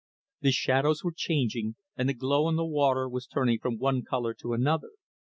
The shadows were changing and the glow on the water was turning from one colour to another.